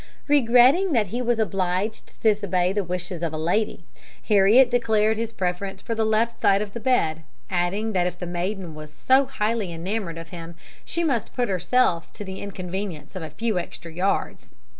"Regretting that he was obliged to disobey the wishes of a lady, Heriot declared his preference for the left side of the bed, adding that if the maiden was so highly enamoured of him, she must put herself to the inconvenience of a few extra yards.